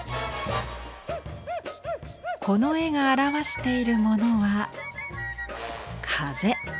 この絵が表しているものは風。